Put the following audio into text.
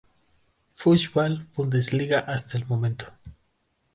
Fußball-Bundesliga hasta el momento.